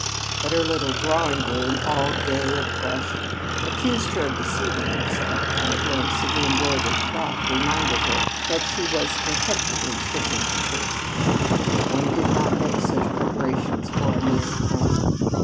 But her little drawing room, all gay and fresh, accused her of deceiving herself; and a glimpse of the embroidered frock reminded her that she was contemptibly shirking the truth. One did not make such preparations for a mere "friend."